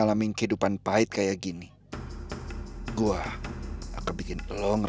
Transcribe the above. amin makasih ya om